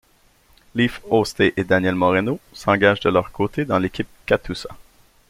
Leif Hoste et Daniel Moreno s'engagent de leur côté dans l'équipe Katusha.